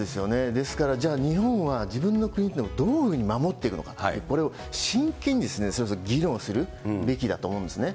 ですから、じゃあ、日本は自分の国をどういうふうに守っていくのかと、これを真剣に、そろそろ議論するべきだと思うんですね。